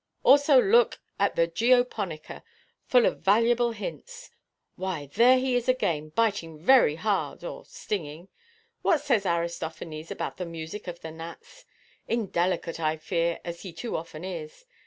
Also look at the Geoponika, full of valuable hints—why there he is again, biting very hard or stinging. What says Aristophanes about the music of the gnats? Indelicate, I fear, as he too often is.